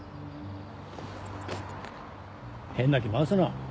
変な気回すな。